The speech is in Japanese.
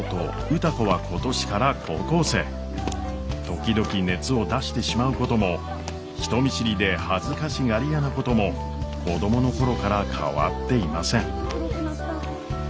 時々熱を出してしまうことも人見知りで恥ずかしがり屋なことも子供の頃から変わっていません。